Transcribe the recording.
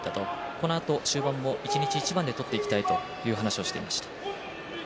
このあと終盤も一日一番で取っていきたいという話をしていました。